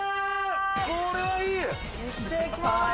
これはいい。